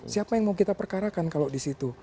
siapa yang mau kita perkarakan kalau di situ